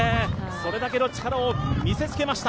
それだけの力を見せつけました。